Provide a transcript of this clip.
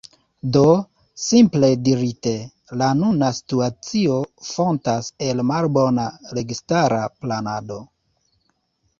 Do, simple dirite, la nuna situacio fontas el malbona registara planado.